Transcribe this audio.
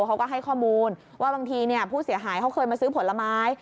เขาก็ให้ข้อมูลว่าบางทีผู้เสียหายเขาเคยมาซื้อผลไม้